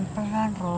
sssh pelan pelan ruth